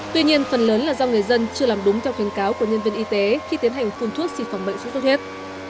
tuy nhiên phần lớn là do người dân chưa làm đúng theo khuyến cáo của nhân viên y tế khi tiến hành phun thuốc xịt phòng bệnh sốt xuất huyết